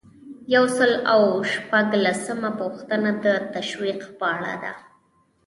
یو سل او شپږلسمه پوښتنه د تشویق په اړه ده.